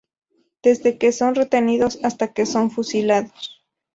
Desde que son retenidos hasta que son fusilados.